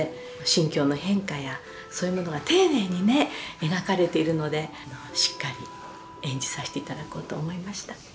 心境の変化や、そういうものが丁寧に描かれているのでしっかり演じさせていただこうと思いました。